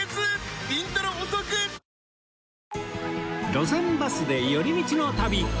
『路線バスで寄り道の旅』